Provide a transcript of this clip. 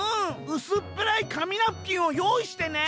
うすっぺらいかみナプキンをよういしてね』